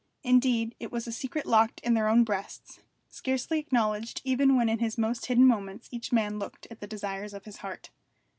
Indeed, it was a secret locked in their own breasts, scarcely acknowledged even when in his most hidden moments each man looked at the desires of his heart.